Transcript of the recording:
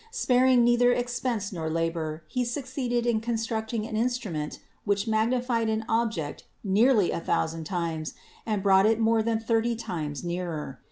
Sparing neither expense nor labor, he succeeded in constructing an instrument which magnified an object nearly a thousand times and brought it more than thirty times nearer.